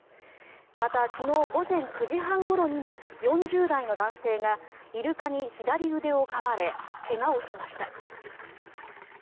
また、昨日午前９時半ごろにも４０代の男性がイルカに左腕をかまれ怪我をしました。